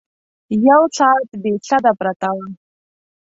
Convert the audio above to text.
یو ساعت بې سده پرته وه.